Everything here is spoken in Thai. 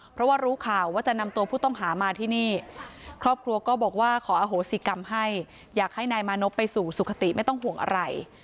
เพราะว่ารู้ข่าวว่าจะนำตัวผู้ต้องหามาที่นี่ครอบครัวก็บอกว่าขออโหสิกรรมให้อยากให้นายมานพไปสู่สุขติไม่ต้องห่วงอะไร